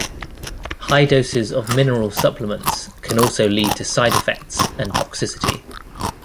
High doses of mineral supplements can also lead to side effects and toxicity.